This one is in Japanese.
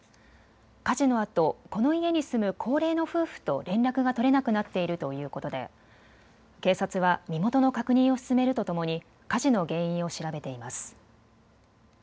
火事のあと、この家に住む高齢の夫婦と連絡が取れなくなっているということで警察は身元の確認を進めるとともに火事の原因を調べています。